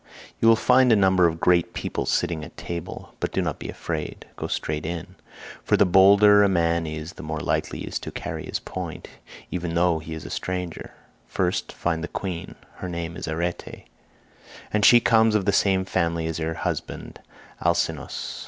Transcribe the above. You will find a number of great people sitting at table, but do not be afraid; go straight in, for the bolder a man is the more likely he is to carry his point, even though he is a stranger. First find the queen. Her name is Arete, and she comes of the same family as her husband Alcinous.